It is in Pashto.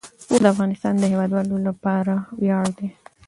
اوښ د افغانستان د هیوادوالو لپاره ویاړ دی.